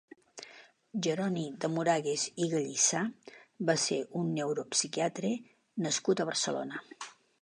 Jeroni de Moragas i Gallissà va ser un neuropsiquiatre nascut a Barcelona.